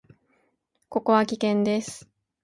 ここは危険です。